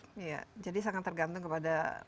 iya jadi sangat tergantung kepada kepala daerah